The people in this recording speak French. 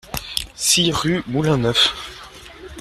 six rue Moulin Neuf